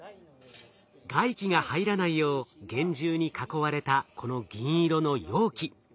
外気が入らないよう厳重に囲われたこの銀色の容器。